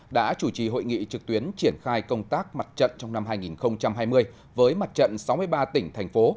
đã chủ trì hội nghị trực tuyến triển khai công tác mặt trận trong năm hai nghìn hai mươi với mặt trận sáu mươi ba tỉnh thành phố